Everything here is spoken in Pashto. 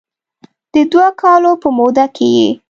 د دوه کالو په موده کې یې